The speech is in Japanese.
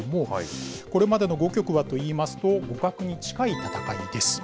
これまでの５局はといいますと、互角に近い戦いです。